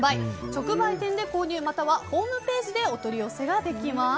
直売店で購入またはホームページでお取り寄せができます。